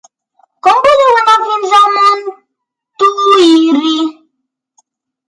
Com podem anar fins a Montuïri?